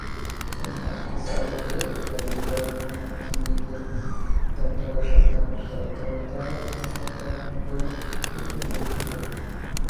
El Marquesado fue rehabilitado por una descendiente del tatara-tatara-tatara-tatara-tataraabuelo del primer titular.